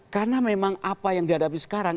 karena memang apa yang dihadapi sekarang